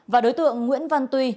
và đối tượng nguyễn văn tuy